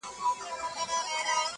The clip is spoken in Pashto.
o مخامخ وتراشل سوي بت ته گوري،